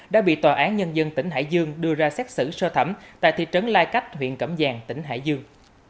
đã bị tòa án nhân dân tỉnh hải dương đưa ra xét xử sơ thẩm tại thị trấn lai cách huyện cẩm giang tỉnh hải dương